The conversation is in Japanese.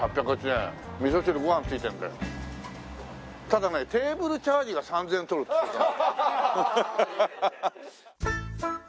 ただねテーブルチャージが３０００円取るって言ってた。